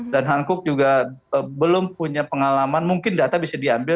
dan hankook juga belum punya pengalaman mungkin data bisa diambil